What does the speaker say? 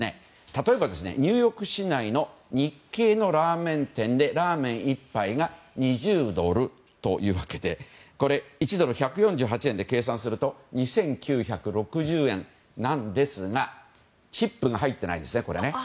例えば、ニューヨーク市内の日系のラーメン店でラーメン１杯が２０ドルというわけで１ドル＝１４８円で計算すると２９６０円なんですがチップが入ってないですね。